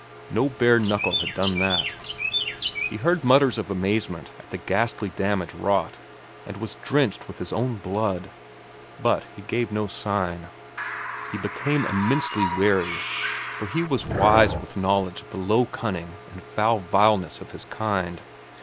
No bare knuckle had done that. He heard mutters of amazement at the ghastly damage wrought, and was drenched with his own blood. But he gave no sign. He became immensely wary, for he was wise with knowledge of the low cunning and foul vileness of his kind.